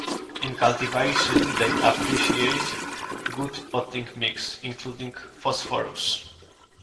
In cultivation they appreciate good potting mix, including Phosphorus.